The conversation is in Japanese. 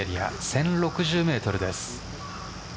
１０６０ｍです。